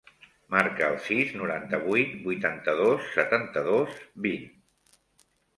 Marca el sis, noranta-vuit, vuitanta-dos, setanta-dos, vint.